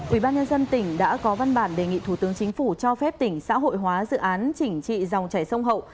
ubnd tỉnh đã có văn bản đề nghị thủ tướng chính phủ cho phép tỉnh xã hội hóa dự án chỉnh trị dòng chảy sông hậu